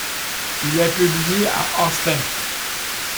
Il est publié à Austin.